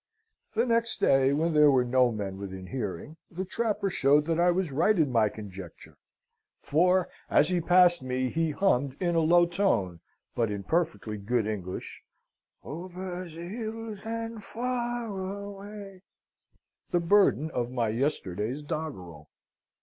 "The next day, when there were no men within hearing, the trapper showed that I was right in my conjecture, for as he passed me he hummed in a low tone, but in perfectly good English, 'Over the hills and far away,' the burden of my yesterday's doggerel.